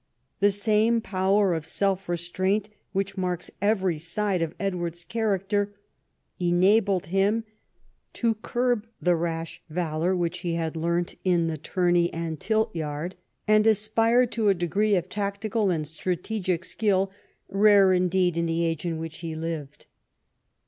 The same power of self restraint, which marks every side of Edward's character, enabled him to curb the rash valour Avhich he had learnt in the tourney and tilt yard, 74 EDWARD I CHAP. and aspire to a degree of tactical and strategic skill rare indeed in tlie age in which he lived.